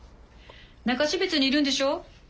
中標津にいるんでしょう。